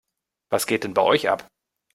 Was geht denn bei euch ab?